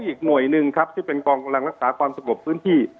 อีกหน่วยหนึ่งครับที่เป็นกองกำลังรักษาความสงบพื้นที่